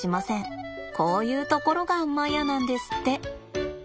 こういうところがマヤなんですって。